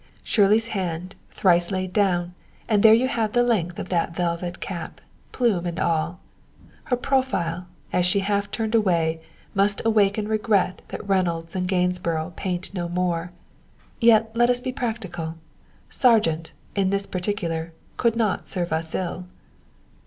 Shirley's hand, thrice laid down, and there you have the length of that velvet cap, plume and all. Her profile, as she half turned away, must awaken regret that Reynolds and Gainsborough paint no more; yet let us be practical: Sargent, in this particular, could not serve us ill.